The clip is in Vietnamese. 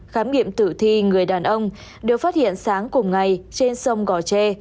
khám nghiệm tử thi người đàn ông được phát hiện sáng cùng ngày trên sông gò tre